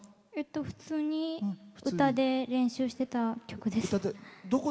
普通に歌で練習してた曲です。